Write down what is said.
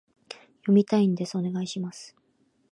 読みたいんです、お願いします